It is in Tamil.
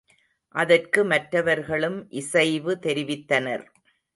அதற்கு மற்றவர்களும் இசைவு தெரிவித்தனர்.